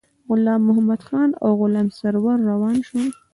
غلام محمدخان او غلام سرور روان شول.